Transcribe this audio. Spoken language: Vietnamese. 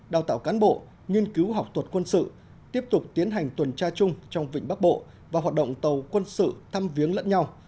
đào tạo cán bộ nghiên cứu học thuật quân sự tiếp tục tiến hành tuần tra chung trong vịnh bắc bộ và hoạt động tàu quân sự thăm viếng lẫn nhau